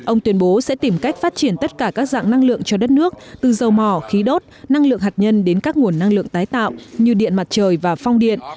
ông tuyên bố sẽ tìm cách phát triển tất cả các dạng năng lượng cho đất nước từ dầu mỏ khí đốt năng lượng hạt nhân đến các nguồn năng lượng tái tạo như điện mặt trời và phong điện